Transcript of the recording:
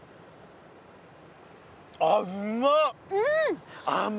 あっうま！